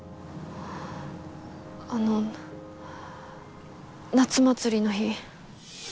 あの夏祭りの日。